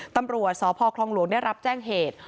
ตำรวจสพคลองหลวงได้รับแจ้งเหตุ